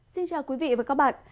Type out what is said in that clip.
xin chào quý vị và các bạn